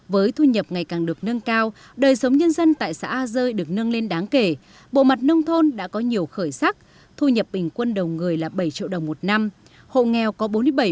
với thu nhập ngày càng được nâng cao đời sống nhân dân tại xã a rơi được nâng lên đáng kể bộ mặt nông thôn đã có nhiều khởi sắc thu nhập bình quân đầu người là bảy triệu đồng một năm hộ nghèo có bốn mươi bảy